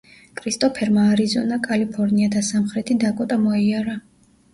კრისტოფერმა არიზონა, კალიფორნია და სამხრეთი დაკოტა მოიარა.